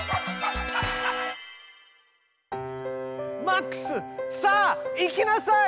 マックスさあ行きなさい！